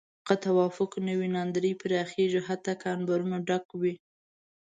که توافق نه وي، ناندرۍ پراخېږي حتی که انبارونه ډک وي.